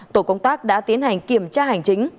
tổ công tác đã tiến hành kiểm tra hành chính